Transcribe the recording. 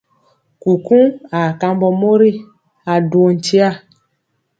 Kukuŋ aa kambɔ mori a duwɔ nkya.